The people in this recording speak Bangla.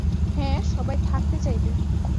হ্যাঁ, সবাই থাকতে চাইবে।